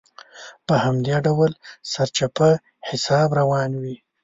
په همدې ډول سرچپه حساب روان وي.